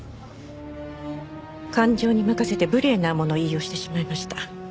感情に任せて無礼な物言いをしてしまいました。